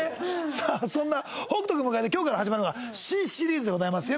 さあそんな北斗君を迎えて今日から始まるのが新シリーズでございますよ